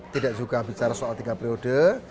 tidak juga bicara soal tiga periode